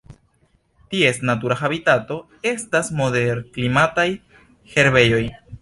Ties natura habitato estas moderklimataj herbejoj.